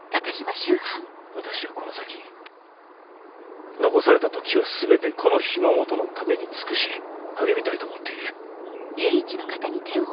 私はこの先残された時を全てこの日の本のために尽くし励みたいと思っている。